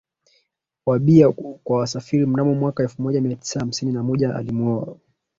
wa bia kwa wasafiri Mnamo mwaka elfu moja mia tisa hamsini na moja alimuoa